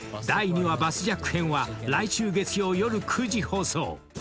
［第２話バスジャック編は来週月曜夜９時放送］